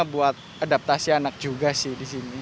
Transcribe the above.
buat adaptasi anak juga sih di sini